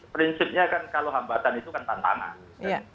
prinsipnya kan kalau hambatan itu kan tantangan